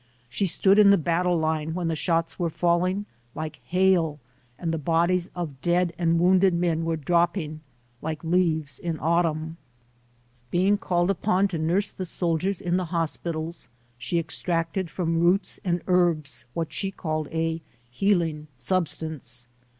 She stood in the battle line when the shots were falling like hail and the bodies of dead and wounded men were dropping like leaves in autumn. Being called upon to nurse the soldiers in the hospitals, she extracted from roots and herbs what she called a healing substance.